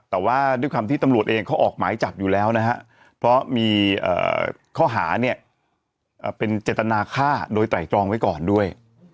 แต่ว่าด้วยความที่ตำรวจเองเขาออกหมายจับอยู่แล้วนะฮะเพราะมีข้อหาเนี่ยเป็นเจตนาฆ่าโดยไตรตรองไว้ก่อนด้วย